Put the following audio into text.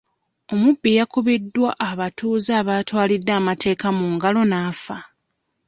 Omubbi yakubiddwa abatuuze abaatwalidde amateeka mu ngalo n'afa.